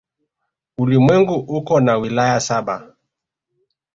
Ulimwengu uko na wilaya saba.